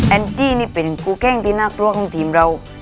จี้นี่เป็นกูเก้งที่น่ากลัวของทีมเรา